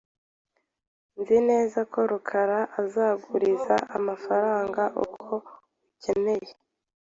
Nzi neza ko rukaraazaguriza amafaranga uko ukeneye.